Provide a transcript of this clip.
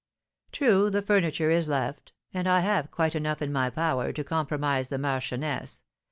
True, the furniture is left, and I have quite enough in my power to compromise the marchioness.